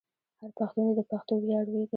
هر پښتون دې د پښتو ویاړ وکړي.